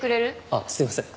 あっすいません。